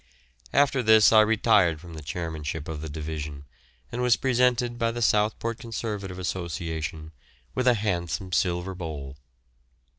After this I retired from the chairmanship of the division, and was presented by the Southport Conservative Association with a handsome silver bowl.